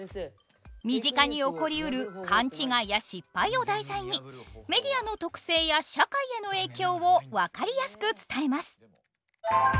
身近に起こりうる勘違いや失敗を題材にメディアの特性や社会への影響を分かりやすく伝えます。